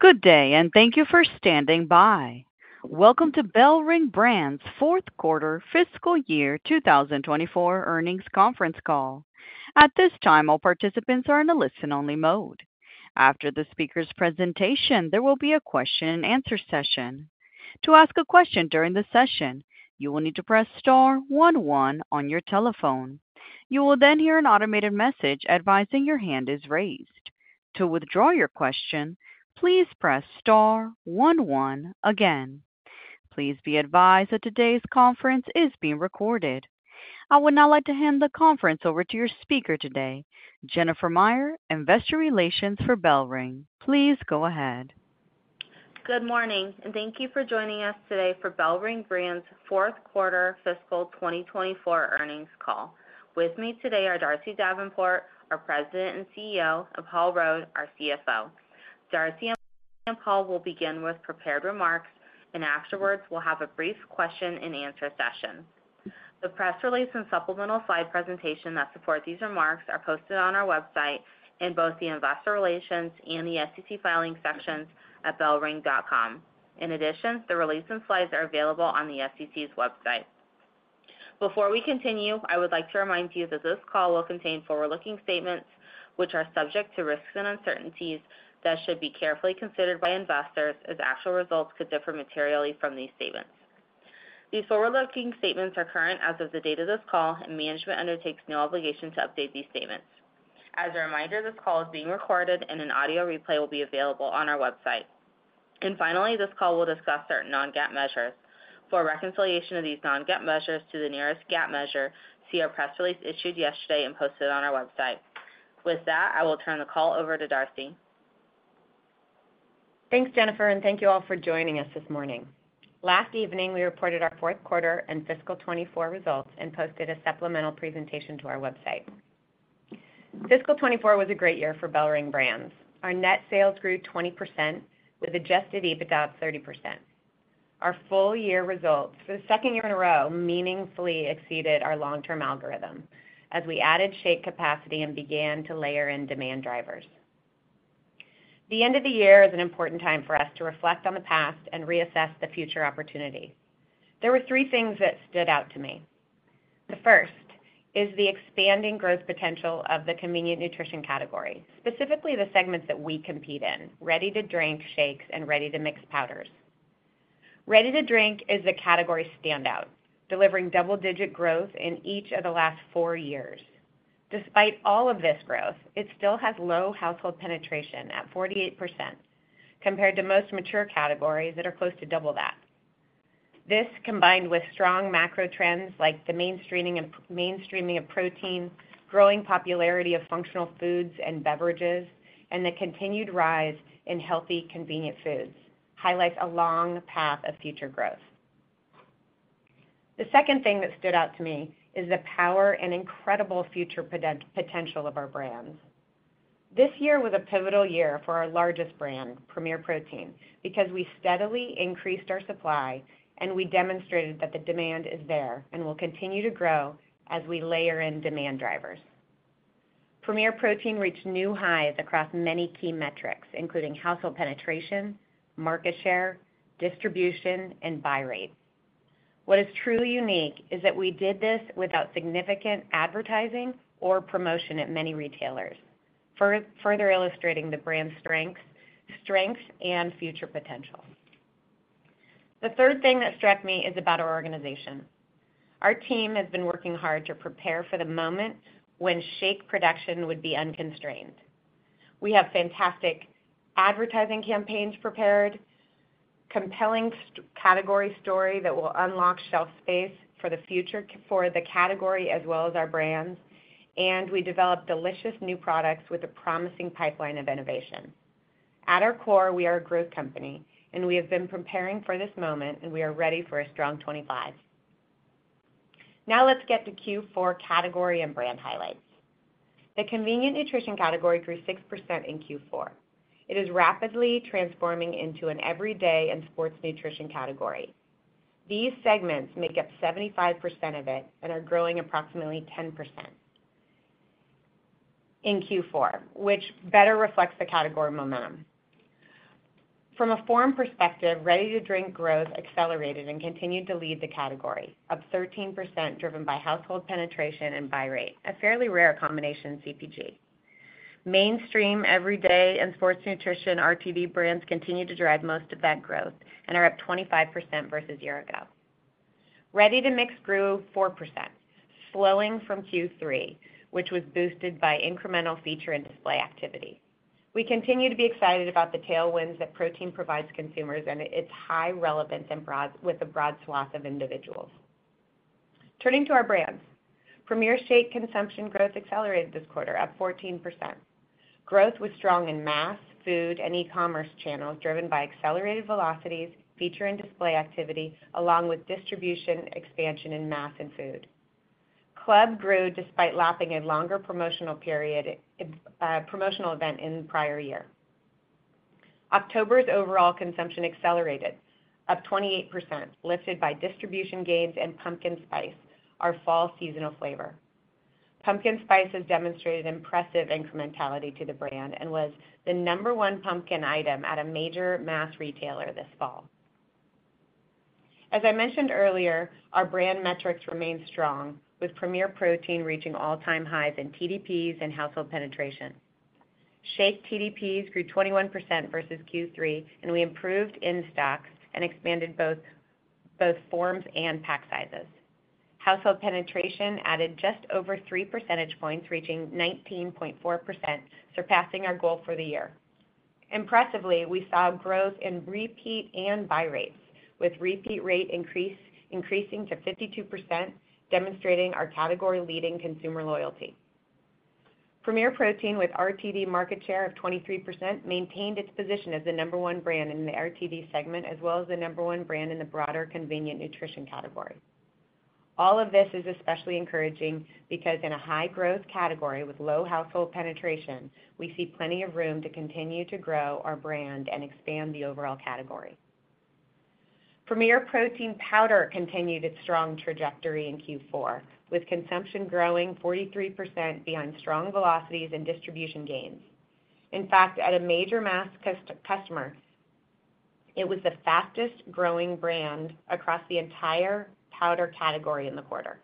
Good day, and thank you for standing by. Welcome to BellRing Brands' Fourth Quarter Fiscal Year 2024 Earnings Conference Call. At this time, all participants are in a listen-only mode. After the speaker's presentation, there will be a question-and-answer session. To ask a question during the session, you will need to press star one one on your telephone. You will then hear an automated message advising your hand is raised. To withdraw your question, please press star one one again. Please be advised that today's conference is being recorded. I would now like to hand the conference over to your speaker today, Jennifer Meyer, Investor Relations for BellRing. Please go ahead. Good morning, and thank you for joining us today for BellRing Brands' Fourth Quarter Fiscal 2024 Earnings Call. With me today are Darcy Davenport, our President and CEO, and Paul Rode, our CFO. Darcy and Paul will begin with prepared remarks, and afterwards, we'll have a brief question-and-answer session. The press release and supplemental slide presentation that supports these remarks are posted on our website in both the investor relations and the SEC filing sections at bellring.com. In addition, the release and slides are available on the SEC's website. Before we continue, I would like to remind you that this call will contain forward-looking statements, which are subject to risks and uncertainties that should be carefully considered by investors as actual results could differ materially from these statements. These forward-looking statements are current as of the date of this call, and management undertakes no obligation to update these statements. As a reminder, this call is being recorded, and an audio replay will be available on our website, and finally, this call will discuss certain non-GAAP measures. For reconciliation of these non-GAAP measures to the nearest GAAP measure, see our press release issued yesterday and posted on our website. With that, I will turn the call over to Darcy. Thanks, Jennifer, and thank you all for joining us this morning. Last evening, we reported our fourth quarter and fiscal 2024 results and posted a supplemental presentation to our website. Fiscal 2024 was a great year for BellRing Brands. Our net sales grew 20% with adjusted EBITDA of 30%. Our full-year results for the second year in a row meaningfully exceeded our long-term algorithm as we added shake capacity and began to layer in demand drivers. The end of the year is an important time for us to reflect on the past and reassess the future opportunity. There were three things that stood out to me. The first is the expanding growth potential of the convenient nutrition category, specifically the segments that we compete in: ready-to-drink shakes and ready-to-mix powders. Ready-to-drink is the category standout, delivering double-digit growth in each of the last four years. Despite all of this growth, it still has low household penetration at 48% compared to most mature categories that are close to double that. This, combined with strong macro trends like the mainstreaming of protein, growing popularity of functional foods and beverages, and the continued rise in healthy convenient foods, highlights a long path of future growth. The second thing that stood out to me is the power and incredible future potential of our brands. This year was a pivotal year for our largest brand, Premier Protein, because we steadily increased our supply and we demonstrated that the demand is there and will continue to grow as we layer in demand drivers. Premier Protein reached new highs across many key metrics, including household penetration, market share, distribution, and buy rate. What is truly unique is that we did this without significant advertising or promotion at many retailers, further illustrating the brand's strengths and future potential. The third thing that struck me is about our organization. Our team has been working hard to prepare for the moment when shake production would be unconstrained. We have fantastic advertising campaigns prepared, compelling category story that will unlock shelf space for the category as well as our brands, and we develop delicious new products with a promising pipeline of innovation. At our core, we are a growth company, and we have been preparing for this moment, and we are ready for a strong 2025. Now let's get to Q4 category and brand highlights. The convenient nutrition category grew 6% in Q4. It is rapidly transforming into an everyday and sports nutrition category. These segments make up 75% of it and are growing approximately 10% in Q4, which better reflects the category momentum. From a form perspective, ready-to-drink growth accelerated and continued to lead the category, up 13% driven by household penetration and buy rate, a fairly rare combination in CPG. Mainstream, everyday, and sports nutrition RTD brands continue to drive most of that growth and are up 25% versus a year ago. Ready-to-mix grew 4%, slowing from Q3, which was boosted by incremental feature and display activity. We continue to be excited about the tailwinds that protein provides consumers and its high relevance with a broad swath of individuals. Turning to our brands, Premier shake consumption growth accelerated this quarter, up 14%. Growth was strong in mass, food, and e-commerce channels driven by accelerated velocities, feature, and display activity, along with distribution expansion in mass and food. Club grew despite lapping a longer promotional event in the prior year. October's overall consumption accelerated, up 28%, lifted by distribution gains in pumpkin spice, our fall seasonal flavor. Pumpkin spice has demonstrated impressive incrementality to the brand and was the number one pumpkin item at a major mass retailer this fall. As I mentioned earlier, our brand metrics remain strong, with Premier Protein reaching all-time highs in TDPs and household penetration. Shake TDPs grew 21% versus Q3, and we improved in-stocks and expanded both forms and pack sizes. Household penetration added just over three percentage points, reaching 19.4%, surpassing our goal for the year. Impressively, we saw growth in repeat and buy rates, with repeat rate increasing to 52%, demonstrating our category-leading consumer loyalty. Premier Protein, with RTD market share of 23%, maintained its position as the number one brand in the RTD segment as well as the number one brand in the broader convenient nutrition category. All of this is especially encouraging because, in a high-growth category with low household penetration, we see plenty of room to continue to grow our brand and expand the overall category. Premier Protein powder continued its strong trajectory in Q4, with consumption growing 43% beyond strong velocities and distribution gains. In fact, at a major mass customer, it was the fastest-growing brand across the entire powder category in the quarter.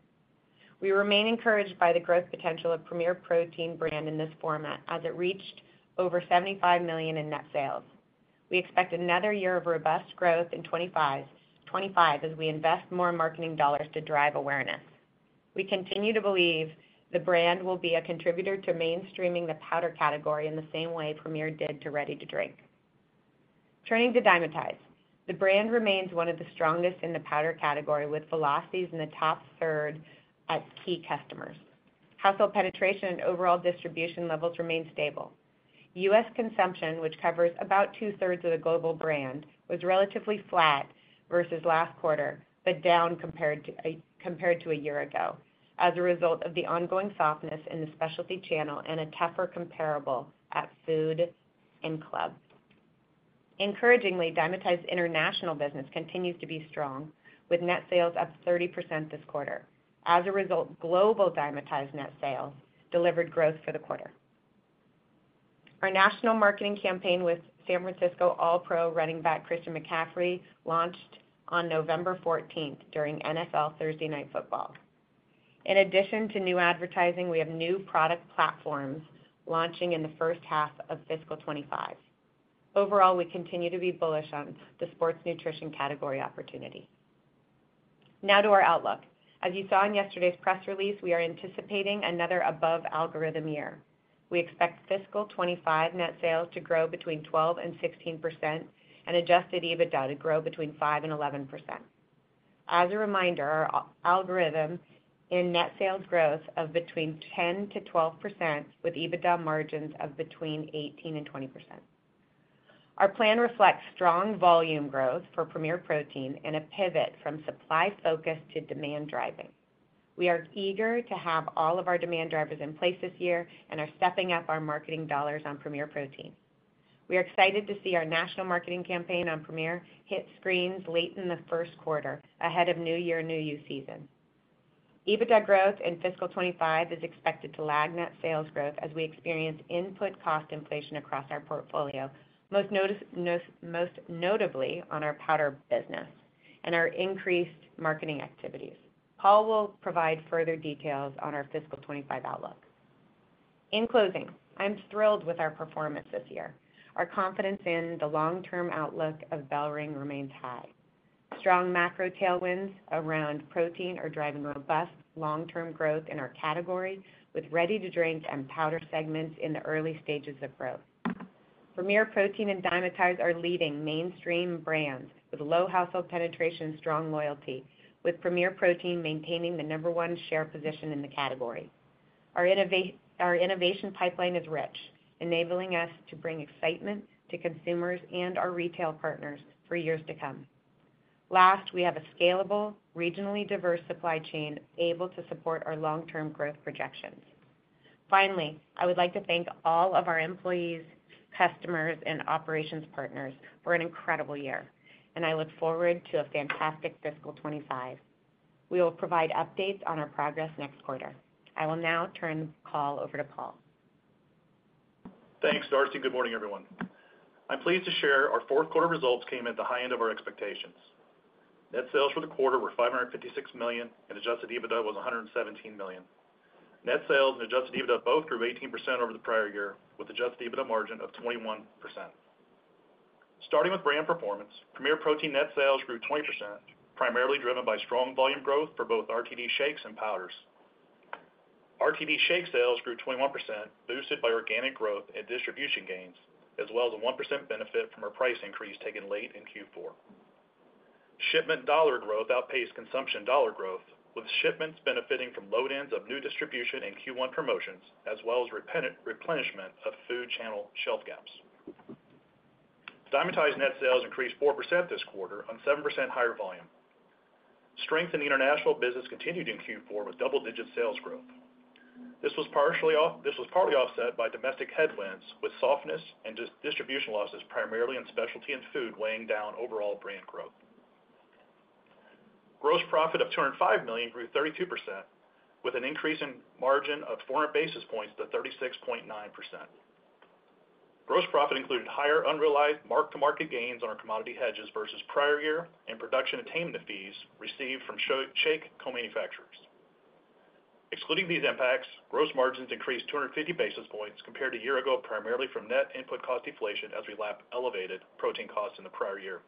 We remain encouraged by the growth potential of Premier Protein brand in this format as it reached over $75 million in net sales. We expect another year of robust growth in 2025 as we invest more marketing dollars to drive awareness. We continue to believe the brand will be a contributor to mainstreaming the powder category in the same way Premier did to ready-to-drink. Turning to Dymatize, the brand remains one of the strongest in the powder category, with velocities in the top third as key customers. Household penetration and overall distribution levels remain stable. U.S. consumption, which covers about two-thirds of the global brand, was relatively flat versus last quarter, but down compared to a year ago as a result of the ongoing softness in the specialty channel and a tougher comparable at food and club. Encouragingly, Dymatize international business continues to be strong, with net sales up 30% this quarter. As a result, global Dymatize net sales delivered growth for the quarter. Our national marketing campaign with San Francisco All-Pro running back Christian McCaffrey launched on November 14th during NFL Thursday Night Football. In addition to new advertising, we have new product platforms launching in the first half of fiscal 2025. Overall, we continue to be bullish on the sports nutrition category opportunity. Now to our outlook. As you saw in yesterday's press release, we are anticipating another above-algorithm year. We expect fiscal 2025 net sales to grow between 12% and 16% and adjusted EBITDA to grow between 5% and 11%. As a reminder, our algorithm in net sales growth of between 10% to 12% with EBITDA margins of between 18% and 20%. Our plan reflects strong volume growth for Premier Protein and a pivot from supply-focused to demand-driving. We are eager to have all of our demand drivers in place this year and are stepping up our marketing dollars on Premier Protein. We are excited to see our national marketing campaign on Premier hit screens late in the first quarter ahead of New Year and New Year season. EBITDA growth in fiscal 2025 is expected to lag net sales growth as we experience input cost inflation across our portfolio, most notably on our powder business and our increased marketing activities. Paul will provide further details on our fiscal 2025 outlook. In closing, I'm thrilled with our performance this year. Our confidence in the long-term outlook of BellRing remains high. Strong macro tailwinds around protein are driving robust long-term growth in our category with ready-to-drink and powder segments in the early stages of growth. Premier Protein and Dymatize are leading mainstream brands with low household penetration and strong loyalty, with Premier Protein maintaining the number one share position in the category. Our innovation pipeline is rich, enabling us to bring excitement to consumers and our retail partners for years to come. Last, we have a scalable, regionally diverse supply chain able to support our long-term growth projections. Finally, I would like to thank all of our employees, customers, and operations partners for an incredible year, and I look forward to a fantastic fiscal 2025. We will provide updates on our progress next quarter. I will now turn the call over to Paul. Thanks, Darcy. Good morning, everyone. I'm pleased to share our fourth quarter results came at the high end of our expectations. Net sales for the quarter were $556 million, and Adjusted EBITDA was $117 million. Net sales and Adjusted EBITDA both grew 18% over the prior year, with Adjusted EBITDA margin of 21%. Starting with brand performance, Premier Protein net sales grew 20%, primarily driven by strong volume growth for both RTD shakes and powders. RTD shake sales grew 21%, boosted by organic growth and distribution gains, as well as a 1% benefit from our price increase taken late in Q4. Shipment dollar growth outpaced consumption dollar growth, with shipments benefiting from load-ins of new distribution and Q1 promotions, as well as replenishment of food channel shelf gaps. Dymatize net sales increased 4% this quarter on 7% higher volume. Strength in international business continued in Q4 with double-digit sales growth. This was partly offset by domestic headwinds with softness and distribution losses primarily in specialty and food weighing down overall brand growth. Gross profit of $205 million grew 32%, with an increase in margin of 400 basis points to 36.9%. Gross profit included higher unrealized mark-to-market gains on our commodity hedges versus prior year and production attainment fees received from shake co-manufacturers. Excluding these impacts, gross margins increased 250 basis points compared to a year ago, primarily from net input cost deflation as we lap elevated protein costs in the prior year.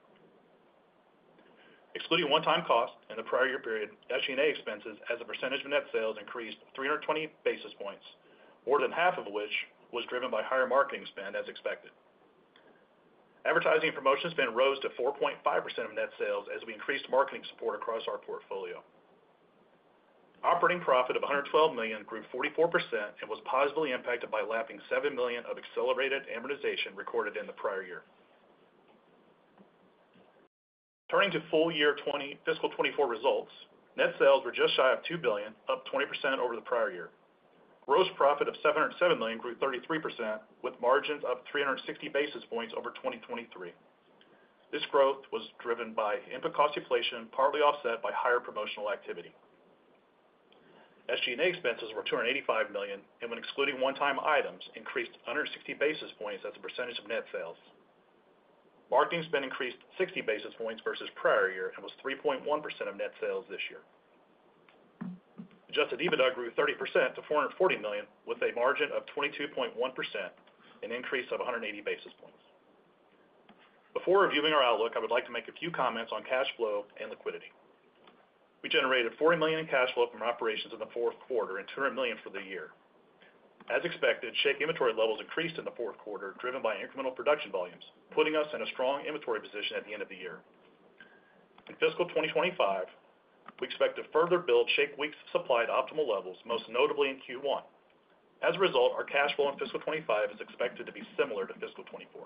Excluding one-time costs in the prior year period, SG&A expenses as a percentage of net sales increased 320 basis points, more than half of which was driven by higher marketing spend as expected. Advertising and promotion spend rose to 4.5% of net sales as we increased marketing support across our portfolio. Operating profit of $112 million grew 44% and was positively impacted by lapping $7 million of accelerated amortization recorded in the prior year. Turning to full year fiscal 2024 results, net sales were just shy of $2 billion, up 20% over the prior year. Gross profit of $707 million grew 33%, with margins up 360 basis points over 2023. This growth was driven by input cost deflation, partly offset by higher promotional activity. SG&A expenses were $285 million, and when excluding one-time items, increased 160 basis points as a percentage of net sales. Marketing spend increased 60 basis points versus prior year and was 3.1% of net sales this year. Adjusted EBITDA grew 30% to $440 million, with a margin of 22.1%, an increase of 180 basis points. Before reviewing our outlook, I would like to make a few comments on cash flow and liquidity. We generated $40 million in cash flow from operations in the fourth quarter and $200 million for the year. As expected, shake inventory levels increased in the fourth quarter, driven by incremental production volumes, putting us in a strong inventory position at the end of the year. In fiscal 2025, we expect to further build shake weeks' supply to optimal levels, most notably in Q1. As a result, our cash flow in fiscal 2025 is expected to be similar to fiscal 2024.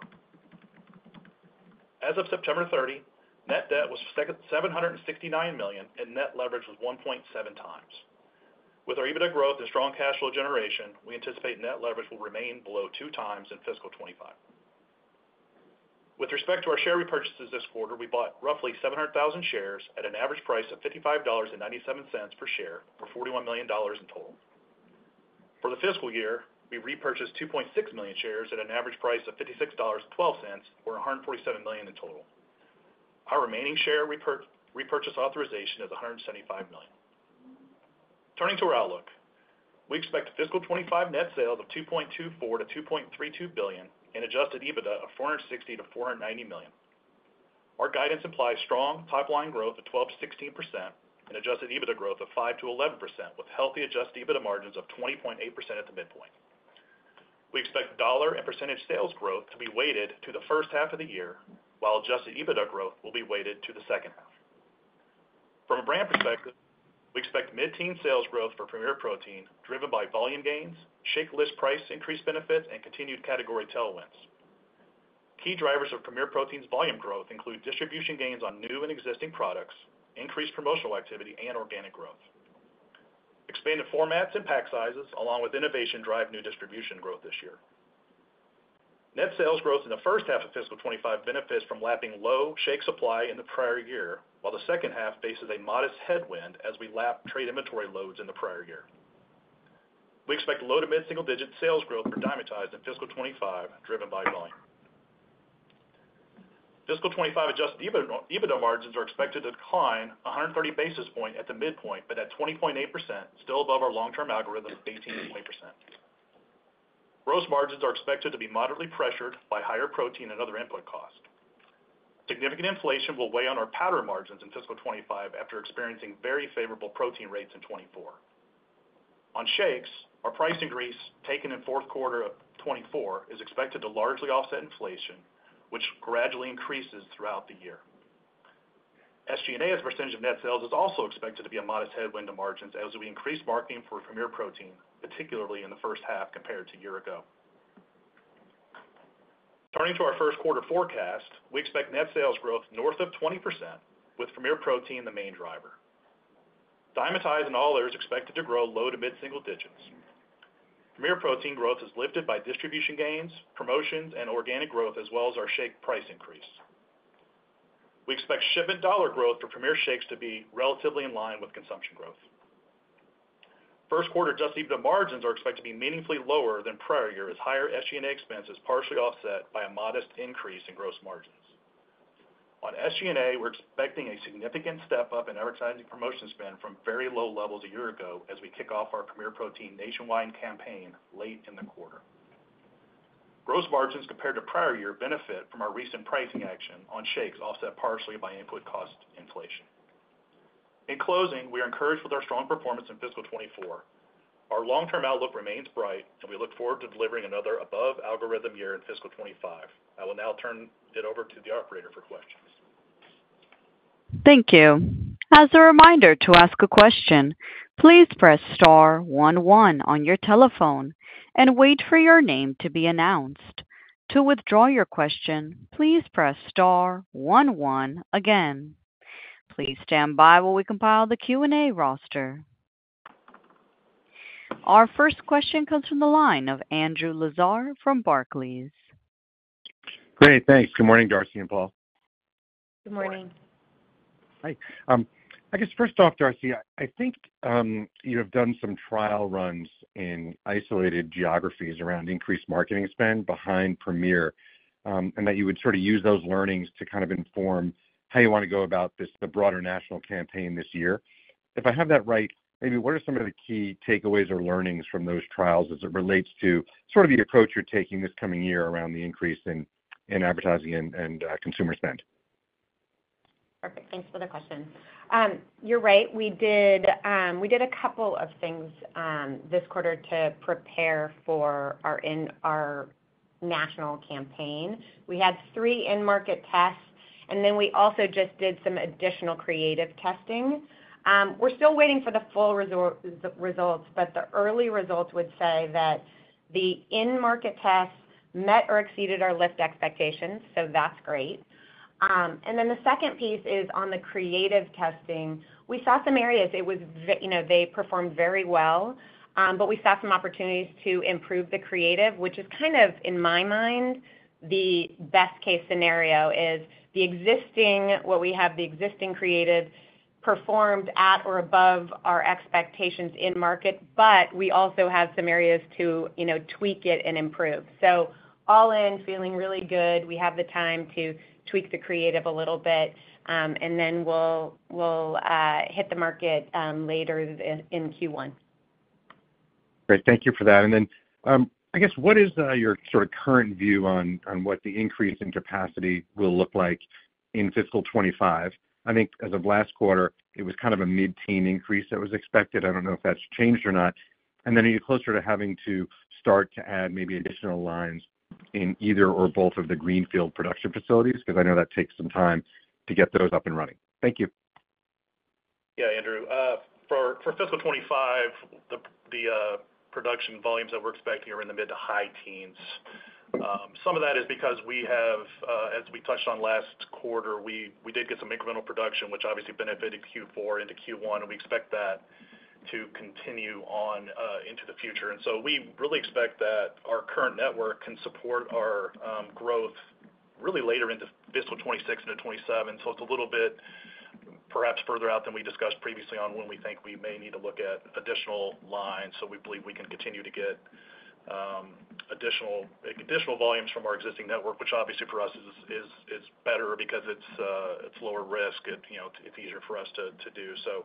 As of September 30, net debt was $769 million, and net leverage was 1.7 times. With our EBITDA growth and strong cash flow generation, we anticipate net leverage will remain below two times in fiscal 2025. With respect to our share repurchases this quarter, we bought roughly 700,000 shares at an average price of $55.97 per share for $41 million in total. For the fiscal year, we repurchased 2.6 million shares at an average price of $56.12 for $147 million in total. Our remaining share repurchase authorization is $175 million. Turning to our outlook, we expect fiscal 2025 net sales of $2.24-$2.32 billion and adjusted EBITDA of $460-$490 million. Our guidance implies strong pipeline growth of 12%-16% and adjusted EBITDA growth of 5%-11%, with healthy adjusted EBITDA margins of 20.8% at the midpoint. We expect dollar and percentage sales growth to be weighted to the first half of the year, while adjusted EBITDA growth will be weighted to the second half. From a brand perspective, we expect mid-teen sales growth for Premier Protein, driven by volume gains, shake list price increase benefits, and continued category tailwinds. Key drivers of Premier Protein's volume growth include distribution gains on new and existing products, increased promotional activity, and organic growth. Expanded formats and pack sizes, along with innovation, drive new distribution growth this year. Net sales growth in the first half of fiscal 2025 benefits from lapping low shake supply in the prior year, while the second half faces a modest headwind as we lap trade inventory loads in the prior year. We expect low to mid-single-digit sales growth for Dymatize in fiscal 2025, driven by volume. Fiscal 2025 adjusted EBITDA margins are expected to decline 130 basis points at the midpoint, but at 20.8%, still above our long-term algorithm of 18.8%. Gross margins are expected to be moderately pressured by higher protein and other input costs. Significant inflation will weigh on our powder margins in fiscal 2025 after experiencing very favorable protein rates in 2024. On shakes, our price increase taken in fourth quarter of 2024 is expected to largely offset inflation, which gradually increases throughout the year. SG&A's percentage of net sales is also expected to be a modest headwind to margins as we increase marketing for Premier Protein, particularly in the first half compared to a year ago. Turning to our first quarter forecast, we expect net sales growth north of 20%, with Premier Protein the main driver. Dymatize and all others are expected to grow low to mid-single digits. Premier Protein growth is lifted by distribution gains, promotions, and organic growth, as well as our shake price increase. We expect shipment dollar growth for Premier shakes to be relatively in line with consumption growth. First quarter Adjusted EBITDA margins are expected to be meaningfully lower than prior year as higher SG&A expenses, partially offset by a modest increase in gross margins. On SG&A, we're expecting a significant step up in advertising promotion spend from very low levels a year ago as we kick off our Premier Protein nationwide campaign late in the quarter. Gross margins compared to prior year benefit from our recent pricing action on shakes, offset partially by input cost inflation. In closing, we are encouraged with our strong performance in fiscal 2024. Our long-term outlook remains bright, and we look forward to delivering another above-algorithm year in fiscal 2025. I will now turn it over to the operator for questions. Thank you. As a reminder to ask a question, please press star one one on your telephone and wait for your name to be announced. To withdraw your question, please press star one one again. Please stand by while we compile the Q&A roster. Our first question comes from the line of Andrew Lazar from Barclays. Great. Thanks. Good morning, Darcy and Paul. Good morning. Hi. I guess first off, Darcy, I think you have done some trial runs in isolated geographies around increased marketing spend behind Premier and that you would sort of use those learnings to kind of inform how you want to go about the broader national campaign this year. If I have that right, maybe what are some of the key takeaways or learnings from those trials as it relates to sort of the approach you're taking this coming year around the increase in advertising and consumer spend? Perfect. Thanks for the question. You're right. We did a couple of things this quarter to prepare for our national campaign. We had three in-market tests, and then we also just did some additional creative testing. We're still waiting for the full results, but the early results would say that the in-market tests met or exceeded our lift expectations, so that's great. And then the second piece is on the creative testing. We saw some areas they performed very well, but we saw some opportunities to improve the creative, which is kind of, in my mind, the best-case scenario is what we have the existing creative performed at or above our expectations in market, but we also have some areas to tweak it and improve. So all in, feeling really good, we have the time to tweak the creative a little bit, and then we'll hit the market later in Q1. Great. Thank you for that. And then I guess what is your sort of current view on what the increase in capacity will look like in fiscal 2025? I think as of last quarter, it was kind of a mid-teen increase that was expected. I don't know if that's changed or not. And then are you closer to having to start to add maybe additional lines in either or both of the greenfield production facilities? Because I know that takes some time to get those up and running. Thank you. Yeah, Andrew. For fiscal 2025, the production volumes that we're expecting are in the mid to high teens. Some of that is because we have, as we touched on last quarter, we did get some incremental production, which obviously benefited Q4 into Q1, and we expect that to continue on into the future. And so we really expect that our current network can support our growth really later into fiscal 2026 into 2027. So it's a little bit perhaps further out than we discussed previously on when we think we may need to look at additional lines. So we believe we can continue to get additional volumes from our existing network, which obviously for us is better because it's lower risk. It's easier for us to do. So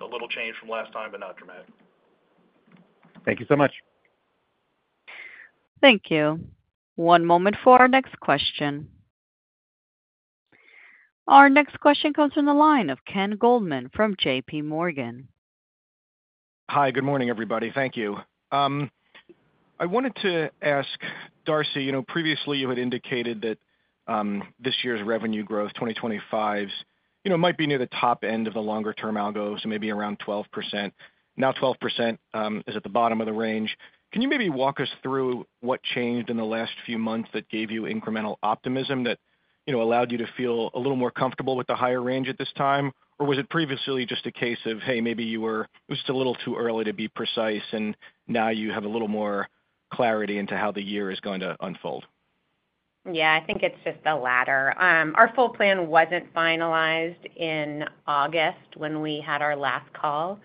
a little change from last time, but not dramatic. Thank you so much. Thank you. One moment for our next question. Our next question comes from the line of Ken Goldman from J.P. Morgan. Hi, good morning, everybody. Thank you. I wanted to ask Darcy, previously you had indicated that this year's revenue growth, 2025's, might be near the top end of the longer-term algo, so maybe around 12%. Now 12% is at the bottom of the range. Can you maybe walk us through what changed in the last few months that gave you incremental optimism that allowed you to feel a little more comfortable with the higher range at this time? Or was it previously just a case of, hey, maybe it was just a little too early to be precise, and now you have a little more clarity into how the year is going to unfold? Yeah, I think it's just the latter. Our full plan wasn't finalized in August when we had our last call.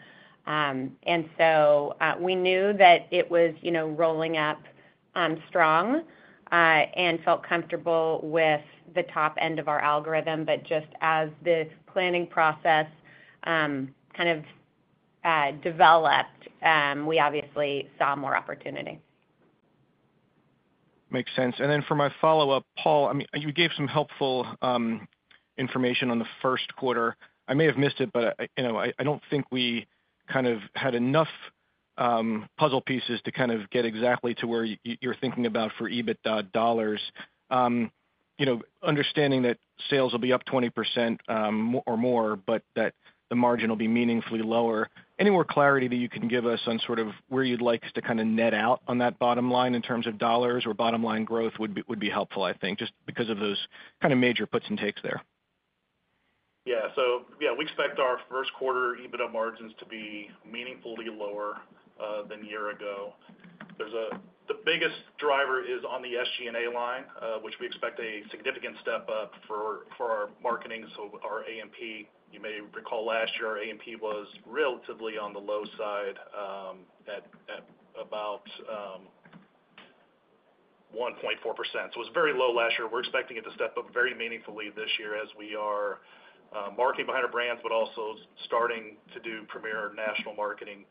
And so we knew that it was rolling up strong and felt comfortable with the top end of our algorithm. But just as the planning process kind of developed, we obviously saw more opportunity. Makes sense. And then for my follow-up, Paul, I mean, you gave some helpful information on the first quarter. I may have missed it, but I don't think we kind of had enough puzzle pieces to kind of get exactly to where you're thinking about for EBITDA dollars. Understanding that sales will be up 20% or more, but that the margin will be meaningfully lower. Any more clarity that you can give us on sort of where you'd like us to kind of net out on that bottom line in terms of dollars or bottom line growth would be helpful, I think, just because of those kind of major puts and takes there. Yeah. So yeah, we expect our first quarter EBITDA margins to be meaningfully lower than a year ago. The biggest driver is on the SG&A line, which we expect a significant step up for our marketing. So our A&P, you may recall last year, our A&P was relatively on the low side at about 1.4%. So it was very low last year. We're expecting it to step up very meaningfully this year as we are marketing behind our brands, but also starting to do Premier national marketing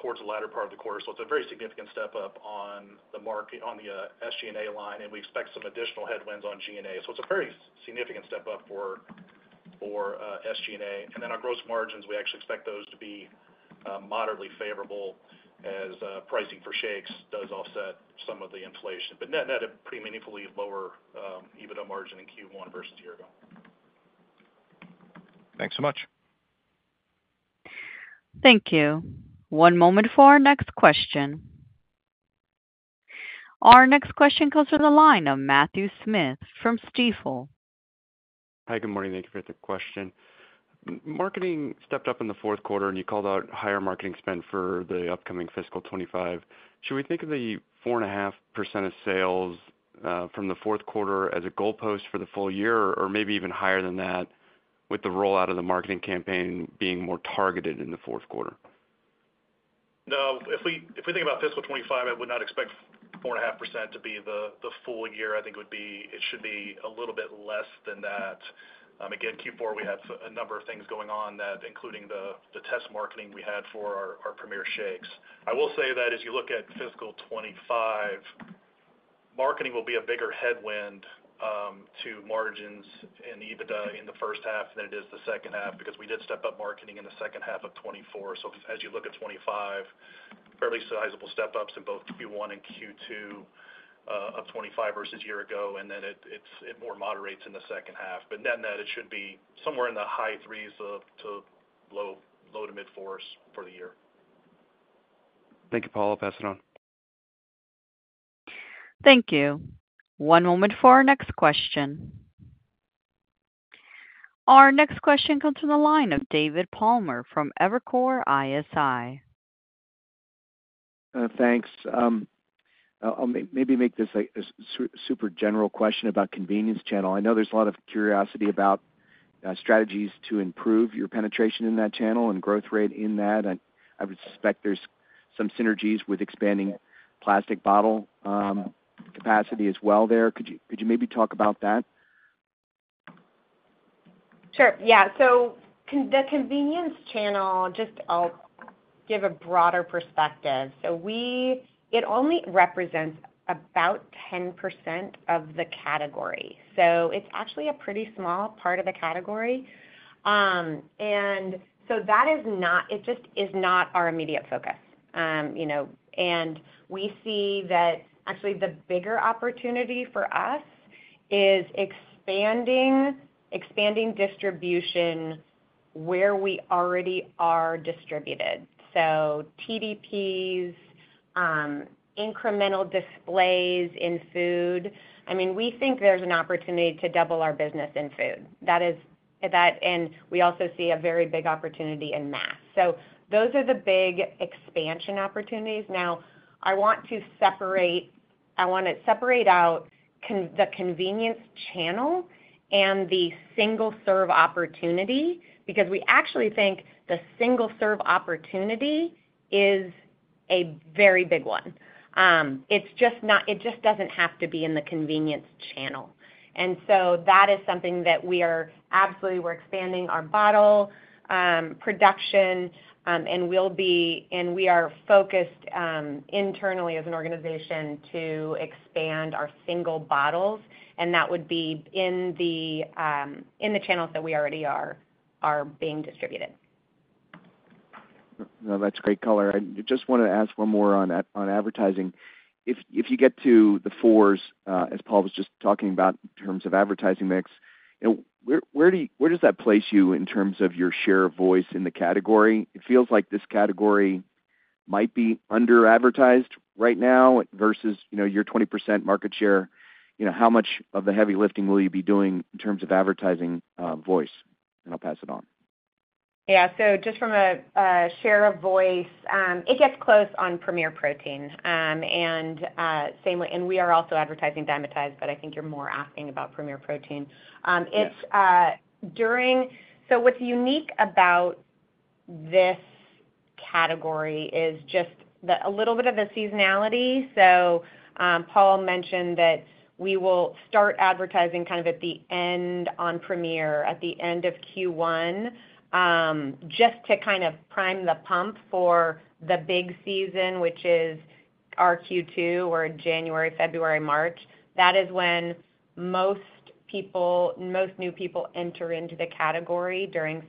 towards the latter part of the quarter. So it's a very significant step up on the SG&A line, and we expect some additional headwinds on G&A. So it's a very significant step up for SG&A. And then our gross margins, we actually expect those to be moderately favorable as pricing for shakes does offset some of the inflation. But net net, a pretty meaningfully lower EBITDA margin in Q1 versus a year ago. Thanks so much. Thank you. One moment for our next question. Our next question comes from the line of Matthew Smith from Stifel. Hi, good morning. Thank you for the question. Marketing stepped up in the fourth quarter, and you called out higher marketing spend for the upcoming fiscal 2025. Should we think of the 4.5% of sales from the fourth quarter as a goalpost for the full year, or maybe even higher than that, with the rollout of the marketing campaign being more targeted in the fourth quarter? No. If we think about fiscal 2025, I would not expect 4.5% to be the full year. I think it should be a little bit less than that. Again, Q4, we have a number of things going on, including the test marketing we had for our Premier shakes. I will say that as you look at fiscal 2025, marketing will be a bigger headwind to margins and EBITDA in the first half than it is the second half because we did step up marketing in the second half of 2024, so as you look at 2025, fairly sizable step-ups in both Q1 and Q2 of 2025 versus a year ago, and then it more moderates in the second half, but net net, it should be somewhere in the high threes to low to mid-fours for the year. Thank you, Paul. I'll pass it on. Thank you. One moment for our next question. Our next question comes from the line of David Palmer from Evercore ISI. Thanks. I'll maybe make this a super general question about convenience channel. I know there's a lot of curiosity about strategies to improve your penetration in that channel and growth rate in that. I would suspect there's some synergies with expanding plastic bottle capacity as well there. Could you maybe talk about that? Sure. Yeah. So the convenience channel, just. I'll give a broader perspective. So it only represents about 10% of the category. So it's actually a pretty small part of the category, and so that is not. It just is not our immediate focus. And we see that actually the bigger opportunity for us is expanding distribution where we already are distributed. So TDPs, incremental displays in food. I mean, we think there's an opportunity to double our business in food. And we also see a very big opportunity in mass. So those are the big expansion opportunities. Now, I want to separate out the convenience channel and the single-serve opportunity because we actually think the single-serve opportunity is a very big one. It just doesn't have to be in the convenience channel. That is something that we are absolutely expanding our bottle production, and we are focused internally as an organization to expand our single bottles. That would be in the channels that we already are being distributed. That's great color. I just wanted to ask one more on advertising. If you get to the fours, as Paul was just talking about in terms of advertising mix, where does that place you in terms of your share of voice in the category? It feels like this category might be under-advertised right now versus your 20% market share. How much of the heavy lifting will you be doing in terms of advertising voice? And I'll pass it on. Yeah. So just from a share of voice, it gets close on Premier Protein. And we are also advertising Dymatize, but I think you're more asking about Premier Protein. What's unique about this category is just a little bit of the seasonality. Paul mentioned that we will start advertising kind of at the end on Premier, at the end of Q1, just to kind of prime the pump for the big season, which is our Q2 or January, February, March. That is when most new people enter into the category during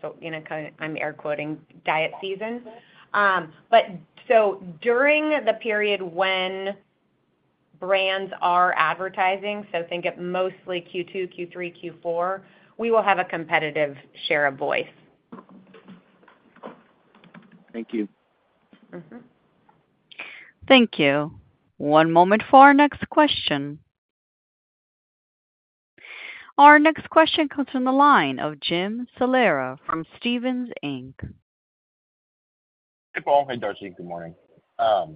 (I'm air quoting) diet season. During the period when brands are advertising, so think of mostly Q2, Q3, Q4, we will have a competitive share of voice. Thank you. Thank you. One moment for our next question. Our next question comes from the line of Jim Salera from Stephens Inc. Hey, Paul. Hey, Darcy. Good morning. I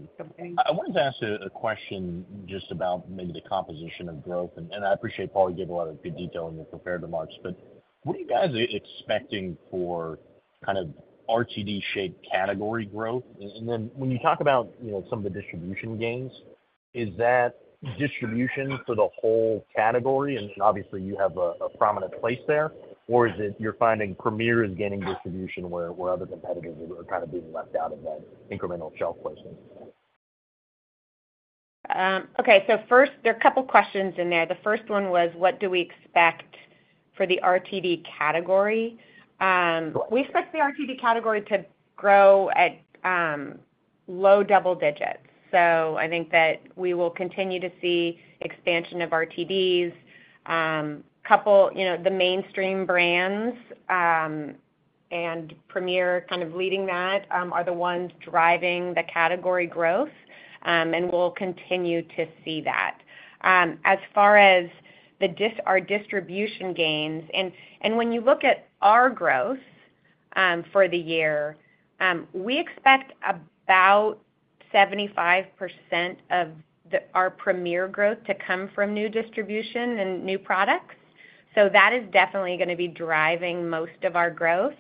wanted to ask you a question just about maybe the composition of growth. And I appreciate, Paul, you gave a lot of good detail in your prepared remarks. But what are you guys expecting for kind of RTD shake category growth? And then when you talk about some of the distribution gains, is that distribution for the whole category? And obviously, you have a prominent place there. Or is it you're finding Premier is gaining distribution where other competitors are kind of being left out of that incremental shelf placement? Okay. First, there are a couple of questions in there. The first one was, what do we expect for the RTD category? We expect the RTD category to grow at low double digits. I think that we will continue to see expansion of RTDs. The mainstream brands and Premier, kind of leading that, are the ones driving the category growth, and we'll continue to see that. As far as our distribution gains, and when you look at our growth for the year, we expect about 75% of our Premier growth to come from new distribution and new products. That is definitely going to be driving most of our growth.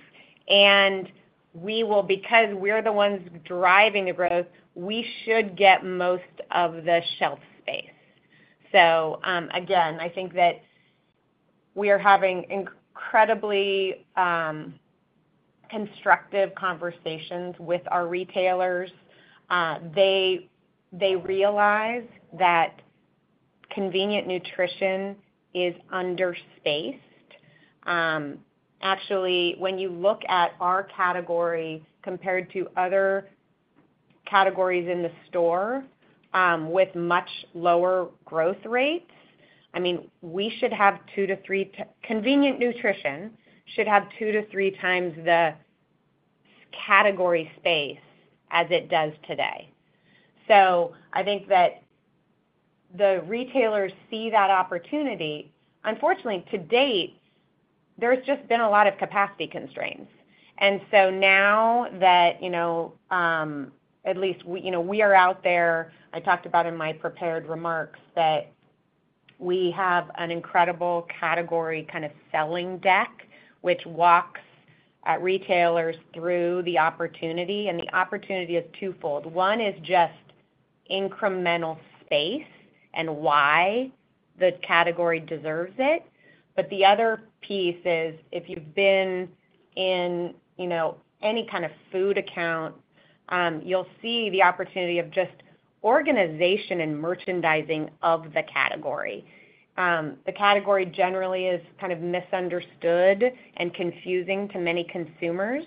Because we're the ones driving the growth, we should get most of the shelf space. Again, I think that we are having incredibly constructive conversations with our retailers. They realize that convenient nutrition is under-spaced. Actually, when you look at our category compared to other categories in the store with much lower growth rates, I mean, the convenient nutrition category should have two to three times the category space as it does today. So I think that the retailers see that opportunity. Unfortunately, to date, there's just been a lot of capacity constraints, and so now that at least we are out there, I talked about in my prepared remarks that we have an incredible category kind of selling deck, which walks retailers through the opportunity, and the opportunity is twofold. One is just incremental space and why the category deserves it, but the other piece is if you've been in any kind of food aisle, you'll see the opportunity of just organization and merchandising of the category. The category generally is kind of misunderstood and confusing to many consumers,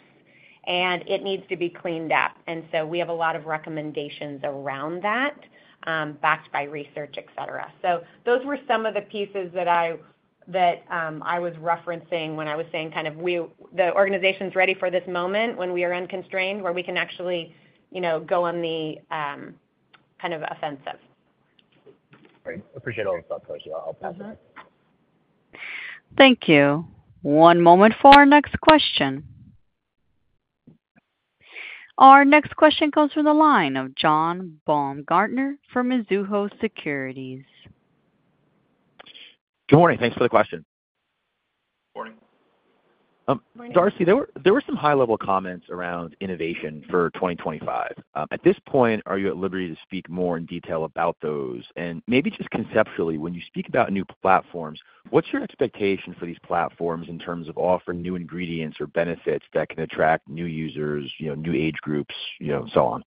and it needs to be cleaned up, and so we have a lot of recommendations around that backed by research, etc., so those were some of the pieces that I was referencing when I was saying kind of the organization's ready for this moment when we are unconstrained where we can actually go on the kind of offensive. Great. Appreciate all the thought, Darcy. I'll pass it on. Thank you. One moment for our next question. Our next question comes from the line of John Baumgartner from Mizuho Securities. Good morning. Thanks for the question. Morning. Darcy, there were some high-level comments around innovation for 2025. At this point, are you at liberty to speak more in detail about those?, and maybe just conceptually, when you speak about new platforms, what's your expectation for these platforms in terms of offering new ingredients or benefits that can attract new users, new age groups, and so on?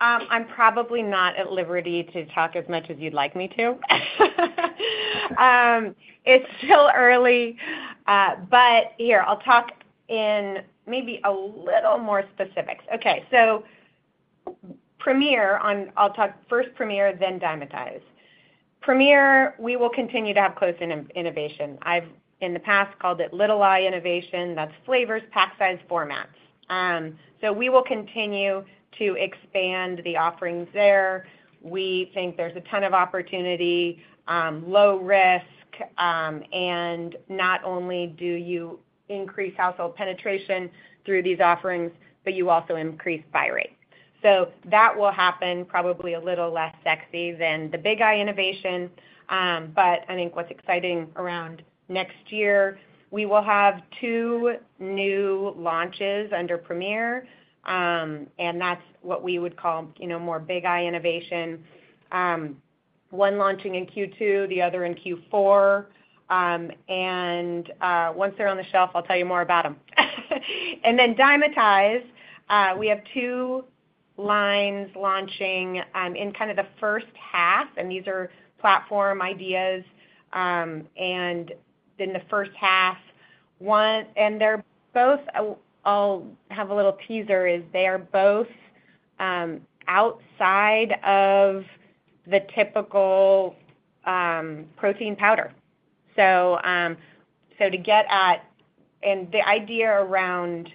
I'm probably not at liberty to talk as much as you'd like me to. It's still early. But here, I'll talk in maybe a little more specifics. Okay. So Premier, I'll talk first Premier then Dymatize. Premier, we will continue to have Little 'i' Innovation. I've, in the past, called it Little 'i' Innovation. That's flavors, pack size, formats. So we will continue to expand the offerings there. We think there's a ton of opportunity, low risk, and not only do you increase household penetration through these offerings, but you also increase buy rate. So that will happen probably a little less sexy than the Big 'I' Innovation. But I think what's exciting around next year, we will have two new launches under Premier. And that's what we would call more Big 'I' Innovation. One launching in Q2, the other in Q4. And once they're on the shelf, I'll tell you more about them. And then Dymatize, we have two lines launching in kind of the first half. And these are platform ideas. And then the first half, and they're both. I'll have a little teaser is they are both outside of the typical protein powder. So to get at and the idea around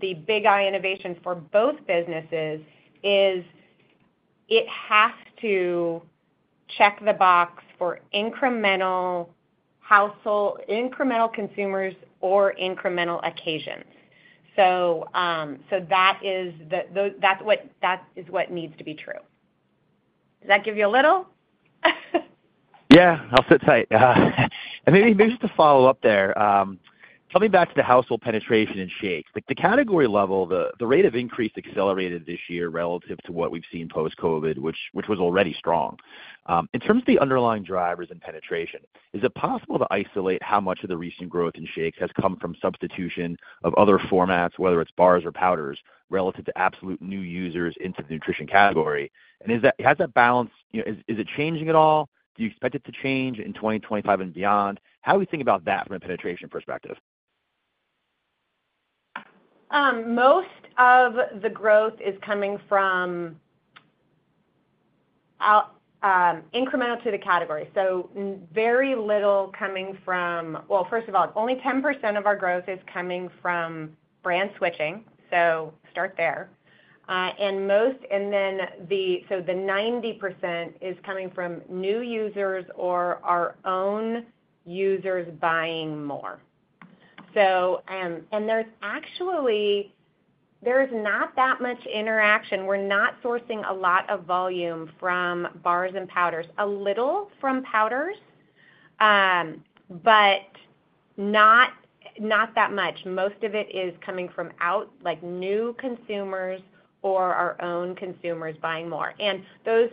the Big 'I' Innovation for both businesses is it has to check the box for incremental consumers or incremental occasions. So that is what needs to be true. Does that give you a little? Yeah. I'll sit tight. And maybe just to follow up there, coming back to the household penetration and shakes, the category level, the rate of increase accelerated this year relative to what we've seen post-COVID, which was already strong. In terms of the underlying drivers and penetration, is it possible to isolate how much of the recent growth in shakes has come from substitution of other formats, whether it's bars or powders, relative to absolute new users into the nutrition category? And has that balance, is it changing at all? Do you expect it to change in 2025 and beyond? How do we think about that from a penetration perspective? Most of the growth is coming from incremental to the category, so very little coming from, well, first of all, only 10% of our growth is coming from brand switching, so start there, and then so the 90% is coming from new users or our own users buying more, and there's actually not that much interaction. We're not sourcing a lot of volume from bars and powders, a little from powders, but not that much. Most of it is coming from out, like new consumers or our own consumers buying more, and those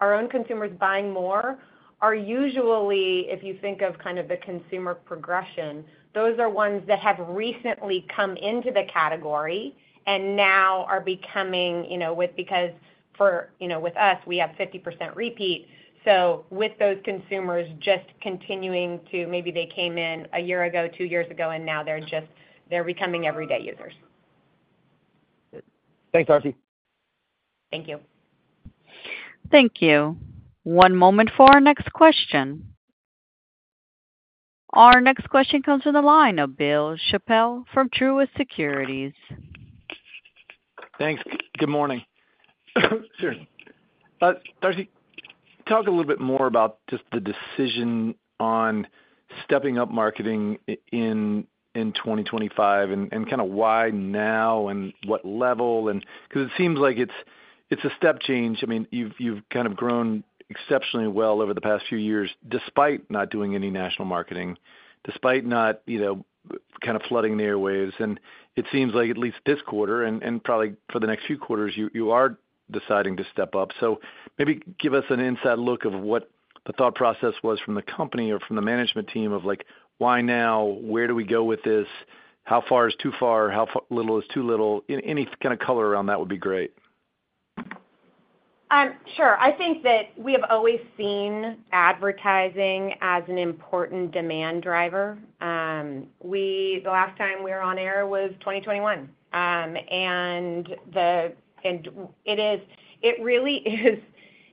our own consumers buying more are usually, if you think of kind of the consumer progression, those are ones that have recently come into the category and now are becoming with because with us, we have 50% repeat. So with those consumers just continuing to maybe they came in a year ago, two years ago, and now they're becoming everyday users. Thanks, Darcy. Thank you. Thank you. One moment for our next question. Our next question comes from the line of Bill Chappell from Truist Securities. Thanks. Good morning. Darcy, talk a little bit more about just the decision on stepping up marketing in 2025 and kind of why now and what level. Because it seems like it's a step change. I mean, you've kind of grown exceptionally well over the past few years despite not doing any national marketing, despite not kind of flooding the airwaves, and it seems like at least this quarter and probably for the next few quarters, you are deciding to step up, so maybe give us an inside look of what the thought process was from the company or from the management team of why now, where do we go with this, how far is too far, how little is too little. Any kind of color around that would be great. Sure. I think that we have always seen advertising as an important demand driver. The last time we were on air was 2021. It really is,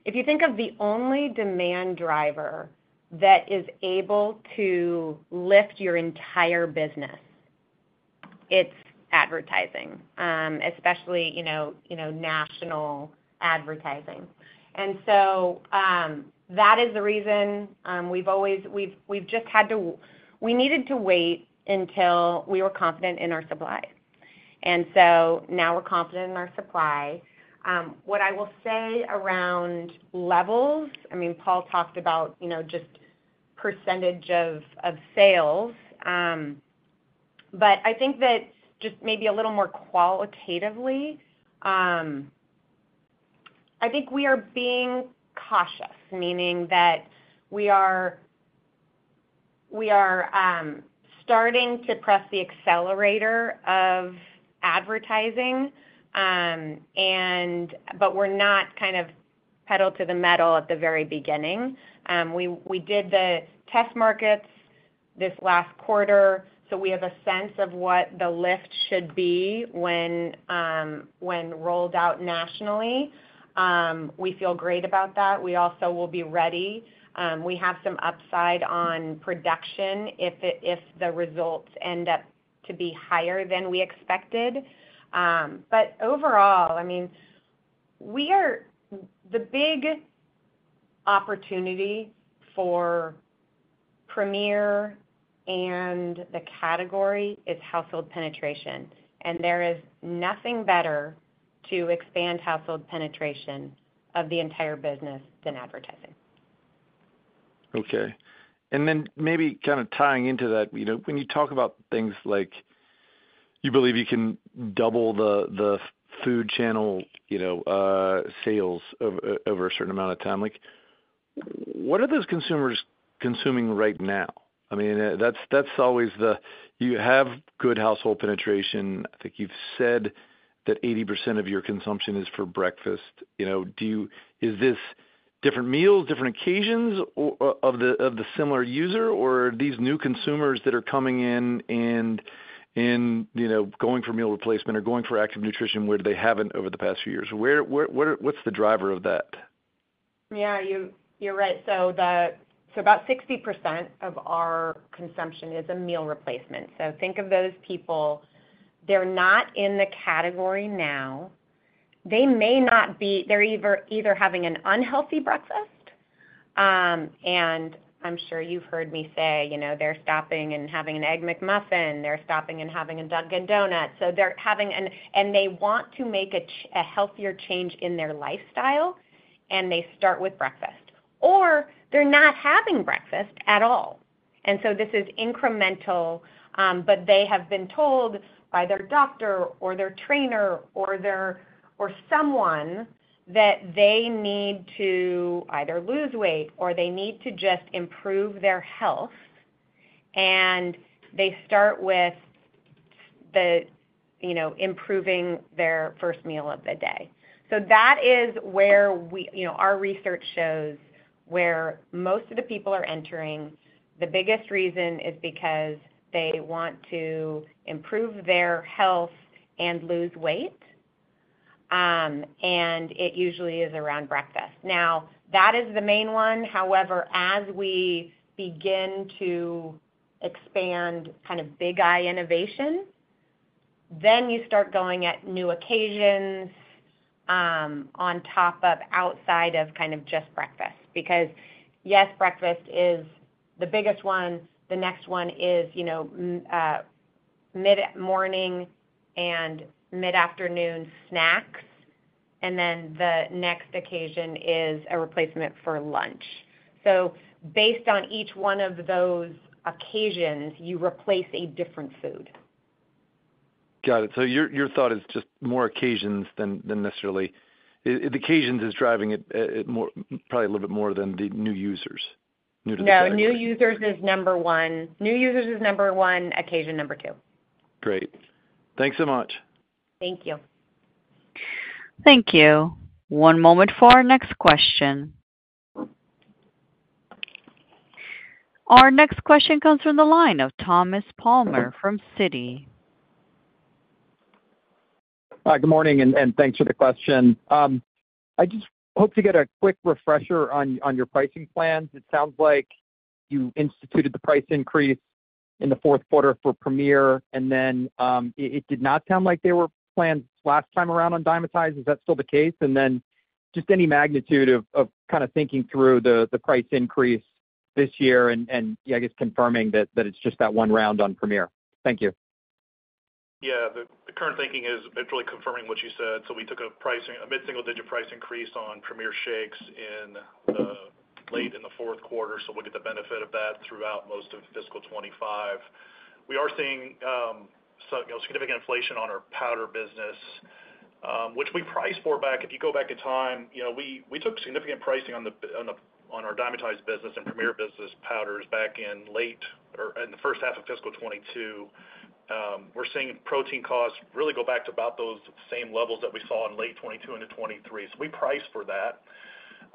if you think of the only demand driver that is able to lift your entire business, it's advertising, especially national advertising. That is the reason we've always just had to wait until we were confident in our supply. Now we're confident in our supply. What I will say around levels, I mean, Paul talked about just percentage of sales. I think that just maybe a little more qualitatively, I think we are being cautious, meaning that we are starting to press the accelerator of advertising, but we're not kind of pedal to the metal at the very beginning. We did the test markets this last quarter, so we have a sense of what the lift should be when rolled out nationally. We feel great about that. We also will be ready. We have some upside on production if the results end up to be higher than we expected. But overall, I mean, the big opportunity for Premier and the category is household penetration. And there is nothing better to expand household penetration of the entire business than advertising. Okay. And then maybe kind of tying into that, when you talk about things like you believe you can double the food channel sales over a certain amount of time, what are those consumers consuming right now? I mean, that's always the you have good household penetration. I think you've said that 80% of your consumption is for breakfast. Is this different meals, different occasions of the similar user, or are these new consumers that are coming in and going for meal replacement or going for active nutrition where they haven't over the past few years? What's the driver of that? Yeah. You're right. So about 60% of our consumption is a meal replacement. So think of those people. They're not in the category now. They may not be. They're either having an unhealthy breakfast. And I'm sure you've heard me say they're stopping and having an Egg McMuffin. They're stopping and having a Dunkin' donut. And they want to make a healthier change in their lifestyle, and they start with breakfast. Or they're not having breakfast at all. And so this is incremental, but they have been told by their doctor or their trainer or someone that they need to either lose weight or they need to just improve their health. And they start with improving their first meal of the day. So that is where our research shows where most of the people are entering. The biggest reason is because they want to improve their health and lose weight. And it usually is around breakfast. Now, that is the main one. However, as we begin to expand kind of Big 'I' Innovation, then you start going at new occasions on top of, outside of kind of just breakfast. Because yes, breakfast is the biggest one. The next one is mid-morning and mid-afternoon snacks. And then the next occasion is a replacement for lunch. So based on each one of those occasions, you replace a different food. Got it. So your thought is just more occasions than necessarily the occasions is driving it probably a little bit more than the new users. New to the market. No. New users is number one. New users is number one. Occasion number two. Great. Thanks so much. Thank you. Thank you. One moment for our next question. Our next question comes from the line of Thomas Palmer from Citi. Hi. Good morning, and thanks for the question. I just hope to get a quick refresher on your pricing plans. It sounds like you instituted the price increase in the fourth quarter for Premier. And then it did not sound like they were planned last time around on Dymatize. Is that still the case? And then just any magnitude of kind of thinking through the price increase this year and, I guess, confirming that it's just that one round on Premier. Thank you. Yeah. The current thinking is actually confirming what you said. So we took a mid-single-digit price increase on Premier shakes late in the fourth quarter. So we'll get the benefit of that throughout most of fiscal 2025. We are seeing significant inflation on our powder business, which we priced for back if you go back in time. We took significant pricing on our Dymatize business and Premier business powders back in late or in the first half of fiscal 2022. We're seeing protein costs really go back to about those same levels that we saw in late 2022 into 2023. So we priced for that.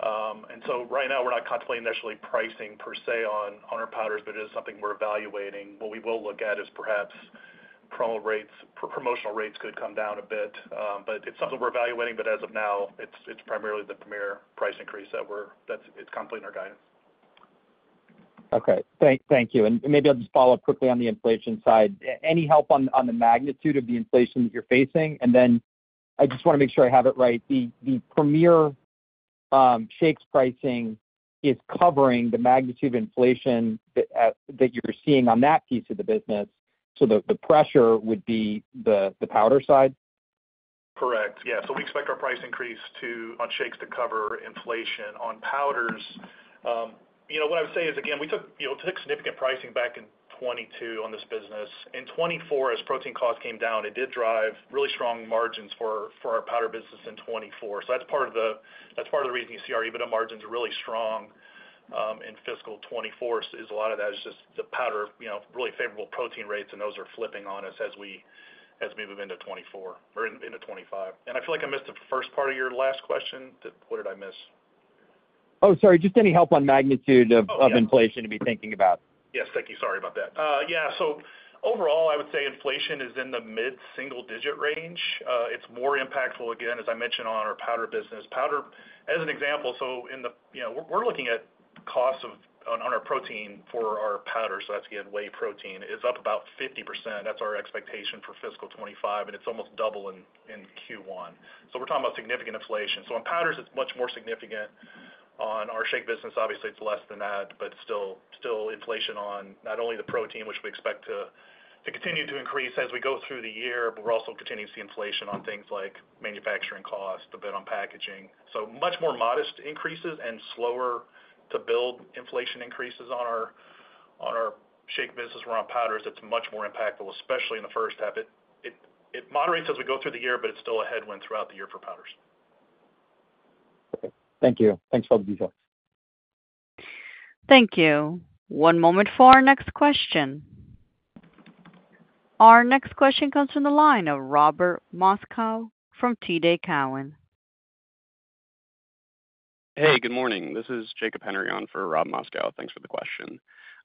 And so right now, we're not contemplating initially pricing per se on our powders, but it is something we're evaluating. What we will look at is perhaps promotional rates could come down a bit. But it's something we're evaluating. But as of now, it's primarily the Premier price increase that we're contemplating in our guidance. Okay. Thank you. And maybe I'll just follow up quickly on the inflation side. Any help on the magnitude of the inflation that you're facing? And then I just want to make sure I have it right. The Premier shakes pricing is covering the magnitude of inflation that you're seeing on that piece of the business. So the pressure would be the powder side? Correct. Yeah. So we expect our price increase on shakes to cover inflation. On powders, what I would say is, again, we took significant pricing back in 2022 on this business. In 2024, as protein costs came down, it did drive really strong margins for our powder business in 2024. So that's part of the reason you see our EBITDA margins really strong in fiscal 2024 is a lot of that is just the powder really favorable protein rates, and those are flipping on us as we move into 2024 or into 2025. And I feel like I missed the first part of your last question. What did I miss? Oh, sorry. Just any help on magnitude of inflation to be thinking about? Yes. Thank you. Sorry about that. Yeah. So overall, I would say inflation is in the mid-single-digit range. It's more impactful, again, as I mentioned, on our powder business. Powder, as an example, so we're looking at costs on our protein for our powders. So that's again, whey protein is up about 50%. That's our expectation for fiscal 2025, and it's almost double in Q1. So we're talking about significant inflation. So on powders, it's much more significant. On our shake business, obviously, it's less than that, but still inflation on not only the protein, which we expect to continue to increase as we go through the year, but we're also continuing to see inflation on things like manufacturing costs, the lid on packaging. So much more modest increases and slower-to-build inflation increases on our shake business. We're on powders. It's much more impactful, especially in the first half. It moderates as we go through the year, but it's still a headwind throughout the year for powders. Okay. Thank you. Thanks for all the details. Thank you. One moment for our next question. Our next question comes from the line of Robert Moskow from TD Cowen. Hey, good morning. This is Jacob Henry on for Robert Moskow. Thanks for the question.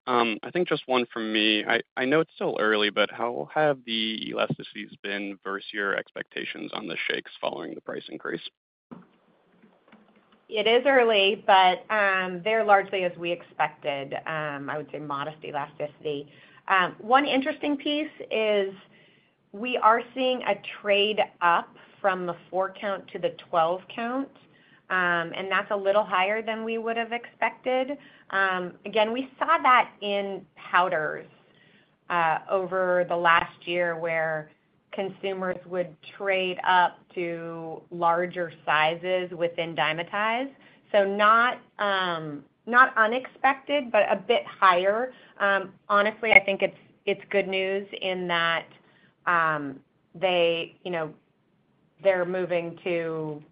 I think just one from me. I know it's still early, but how have the elasticities been versus your expectations on the shakes following the price increase? It is early, but they're largely as we expected, I would say modest elasticity. One interesting piece is we are seeing a trade up from the 4-count to the 12-count, and that's a little higher than we would have expected. Again, we saw that in powders over the last year where consumers would trade up to larger sizes within Dymatize. So not unexpected, but a bit higher. Honestly, I think it's good news in that they're moving to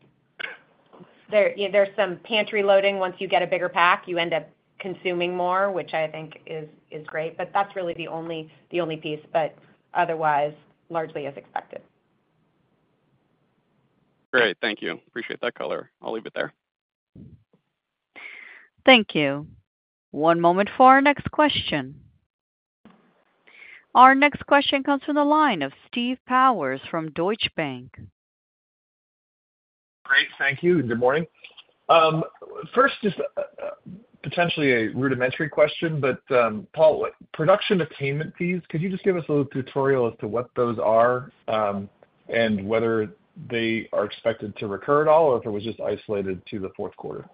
there's some pantry loading. Once you get a bigger pack, you end up consuming more, which I think is great. But that's really the only piece. But otherwise, largely as expected. Great. Thank you. Appreciate that color. I'll leave it there. Thank you. One moment for our next question. Our next question comes from the line of Steve Powers from Deutsche Bank. Great. Thank you. Good morning. First, just potentially a rudimentary question, but Paul, production attainment fees, could you just give us a little tutorial as to what those are and whether they are expected to recur at all or if it was just isolated to the fourth quarter?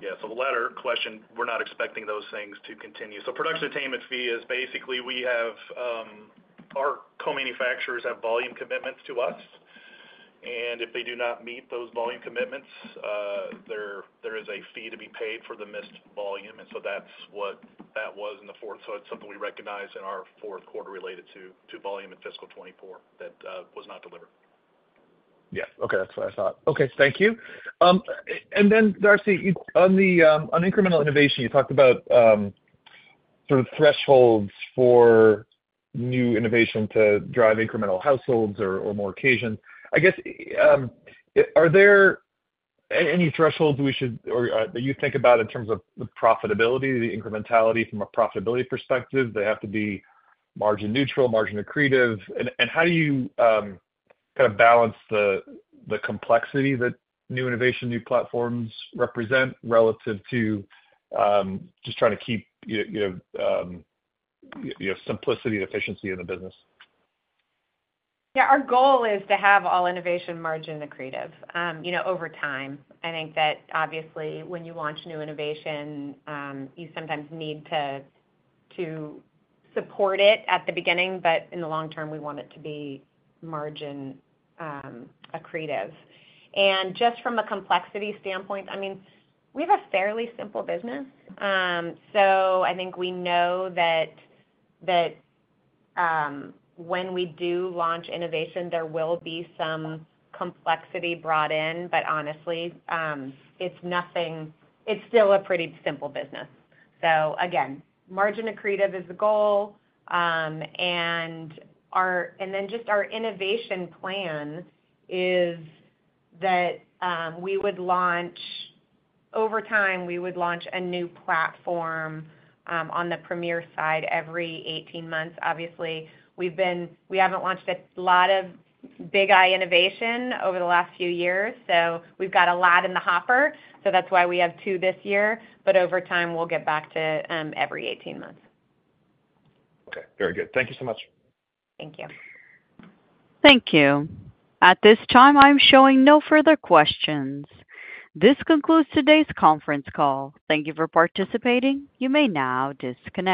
Yeah. So the latter question, we're not expecting those things to continue. So production attainment fee is basically we have our co-manufacturers have volume commitments to us. And if they do not meet those volume commitments, there is a fee to be paid for the missed volume. And so that's what that was in the fourth. So it's something we recognize in our fourth quarter related to volume in fiscal 2024 that was not delivered. Yeah. Okay. That's what I thought. Okay. Thank you. And then, Darcy, on incremental innovation, you talked about sort of thresholds for new innovation to drive incremental households or more occasions. I guess, are there any thresholds that you think about in terms of the profitability, the incrementality from a profitability perspective? They have to be margin neutral, margin accretive. And how do you kind of balance the complexity that new innovation, new platforms represent relative to just trying to keep simplicity and efficiency in the business? Yeah. Our goal is to have all innovation margin accretive over time. I think that, obviously, when you launch new innovation, you sometimes need to support it at the beginning, but in the long term, we want it to be margin accretive. And just from a complexity standpoint, I mean, we have a fairly simple business. So I think we know that when we do launch innovation, there will be some complexity brought in. But honestly, it's still a pretty simple business. So again, margin accretive is the goal. And then just our innovation plan is that we would launch over time, we would launch a new platform on the Premier side every 18 months. Obviously, we haven't launched a lot of Big 'I' Innovation over the last few years. So we've got a lot in the hopper. So that's why we have two this year. But over time, we'll get back to every 18 months. Okay. Very good. Thank you so much. Thank you. Thank you. At this time, I'm showing no further questions. This concludes today's conference call. Thank you for participating. You may now disconnect.